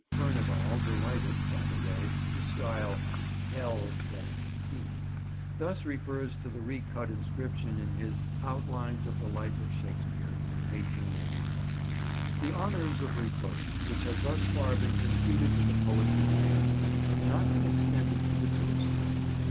Furnivall delighted, by the way, to style "Hell P") thus refers to the re cut inscription in his Outlines of the Life of Shakespeare, 1881— "The honours of repose, which have thus far been conceded to the poet's remains, have not been extended to the tombstone.